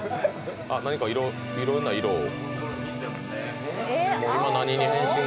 何かいろんな色を。